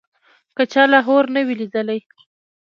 که چا لاهور نه وي لیدلی.